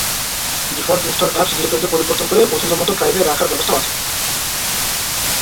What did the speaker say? Default install apps ডিরেক্টরিকে পরিবর্তন করে পছন্দমতো ড্রাইভে রাখার ব্যবস্থাও আছে।